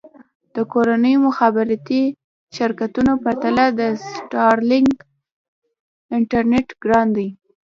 د کورنیو مخابراتي شرکتونو پرتله د سټارلېنک انټرنېټ ګران دی.